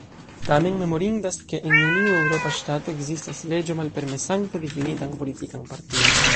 Tamen memorindas, ke en neniu eŭropa ŝtato ekzistas leĝo malpermesanta difinitan politikan partion.